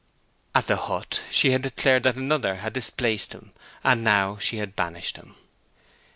At the hut she had declared that another had displaced him; and now she had banished him.